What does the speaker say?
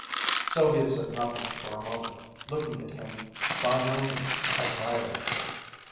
Sylvia said nothing for a moment, looking at him by no means admiringly.